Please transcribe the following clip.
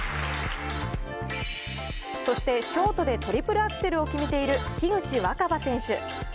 そしてショートでトリプルアクセルを決めている、樋口新葉選手。